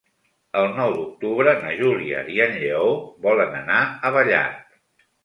El nou d'octubre na Júlia i en Lleó volen anar a Vallat.